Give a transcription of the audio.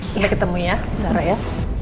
sampai ketemu ya sarah ya